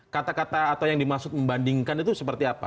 kata kata atau yang dimaksud membandingkan itu seperti apa